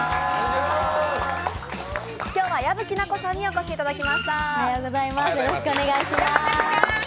今日は矢吹奈子さんにお越しいただきました。